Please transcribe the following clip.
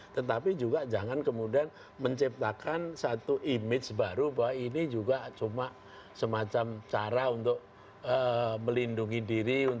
tetapi juga jangan kemudian menciptakan satu image baru bahwa ini juga cuma semacam cara untuk melindungi diri